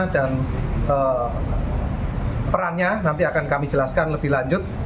perannya nanti akan kami jelaskan lebih lanjut